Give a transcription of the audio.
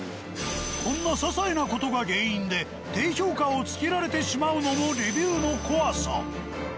こんな些細な事が原因で低評価をつけられてしまうのもレビューの怖さ。